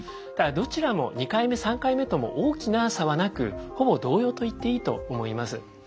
ただどちらも２回目３回目とも大きな差はなくほぼ同様と言っていいと思います。